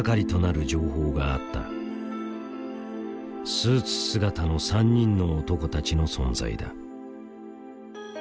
スーツ姿の３人の男たちの存在だ。